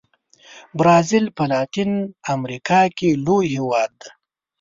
برازیل په لاتین امریکا کې لوی هېواد دی.